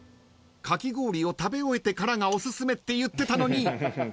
かき氷を食べ終えてからがおすすめって言ってたのに］